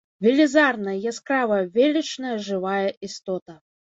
Велізарная, яскравая, велічная жывая істота.